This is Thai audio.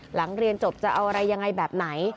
หลังเรียนจบจะเอาอะไรยังไงแบบไหน